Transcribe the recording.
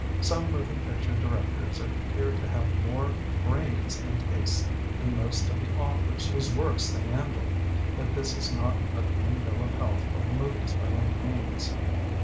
Some moving picture directors appear to have more brains and taste than most of the authors whose works they handle. Yet this is not a clean bill of health for the movies by any means.